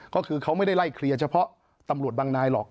ก็คือเขาไม่ได้ไล่เคลียร์เฉพาะตำรวจบางนายหรอก